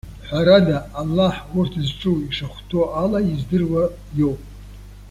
Ҳәарада, Аллаҳ урҭ зҿу ишахәҭоу ала издыруа иоуп.